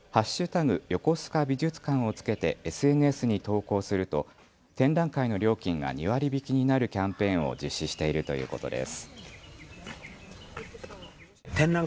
横須賀美術館をつけてＳＮＳに投稿すると展覧会の料金が２割引きになるキャンペーンを実施しているということです。